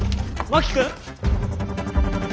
真木君！